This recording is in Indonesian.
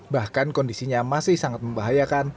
bahkan kondisinya masih sangat membahayakan